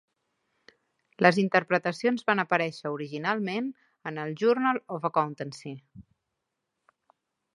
Les Interpretacions van aparèixer originalment en el "Journal of Accountancy".